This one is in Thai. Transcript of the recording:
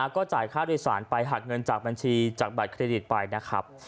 ก็จ่ายค่าโดยสารไปหักเงินจากบัญชีจากบัตรเครดิตไปนะครับ